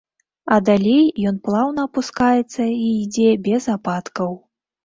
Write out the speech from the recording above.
А далей ён плаўна апускаецца і ідзе без ападкаў.